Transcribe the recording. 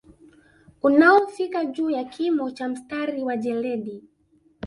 Unaofika juu ya kimo cha mstari wa jeledi